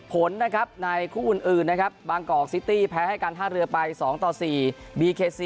ผลนะครับในคู่อื่นนะครับบางกอกซิตี้แพ้ให้การท่าเรือไป๒ต่อ๔บีเคซี